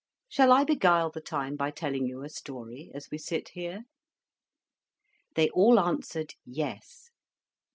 Shall I beguile the time by telling you a story as we sit here?" They all answered, yes.